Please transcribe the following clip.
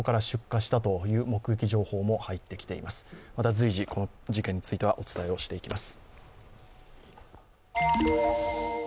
随時この事件についてはお伝えしていきます。